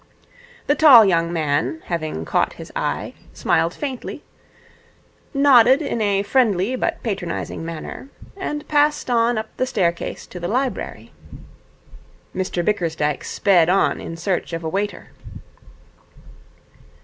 The tall young man, having caught his eye, smiled faintly, nodded in a friendly but patronizing manner, and passed on up the staircase to the library. Mr Bickersdyke sped on in search of a waiter.